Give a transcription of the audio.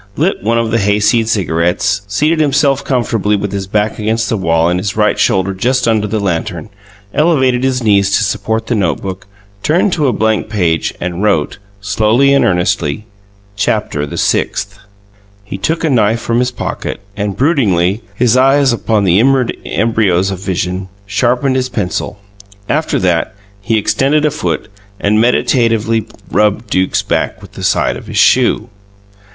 lit one of the hayseed cigarettes, seated himself comfortably, with his back against the wall and his right shoulder just under the lantern, elevated his knees to support the note book, turned to a blank page, and wrote, slowly and earnestly: "CHAPITER THE SIXTH" He took a knife from his pocket, and, broodingly, his eyes upon the inward embryos of vision, sharpened his pencil. After that, he extended a foot and meditatively rubbed Duke's back with the side of his shoe.